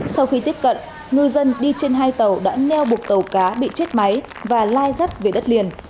sau khi tiếp cận ngư dân đi trên hai tàu đã neo bục tàu cá bị chết máy và lai rắt về đất liền